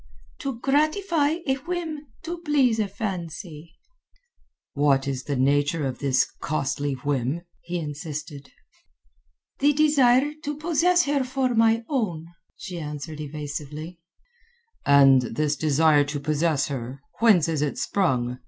"To gratify a whim, to please a fancy." "What is the nature of this costly whim?" he insisted. "The desire to possess her for my own," she answered evasively. "And this desire to possess her, whence is it sprung?"